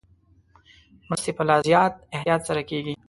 مرستې په لا زیات احتیاط سره کېږي.